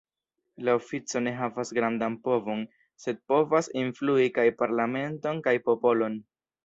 La ofico ne havas grandan povon, sed povas influi kaj parlamenton kaj popolon.